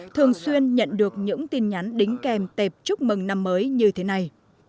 thường xuyên nhận được những tin nhắn đính kèm tệp chúc mừng năm mới như thế này